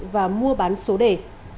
và mua bán số đề